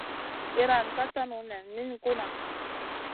Iyran ka tanu nen min gunna.